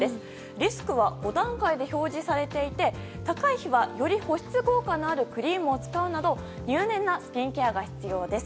リスクは５段階表示されていて高い日は、より保湿効果のあるクリームを使うなど入念なスキンケアが必要です。